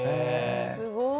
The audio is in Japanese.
すごーい。